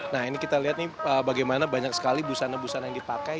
nah ini kita lihat nih bagaimana banyak sekali busana busana yang dipakai